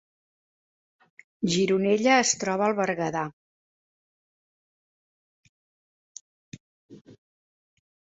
Gironella es troba al Berguedà